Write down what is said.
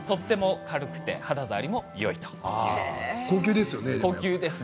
軽くて肌触りもいいということです。